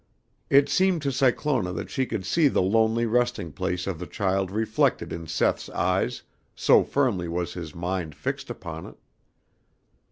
It seemed to Cyclona that she could see the lonely resting place of the child reflected in Seth's eyes, so firmly was his mind fixed upon it.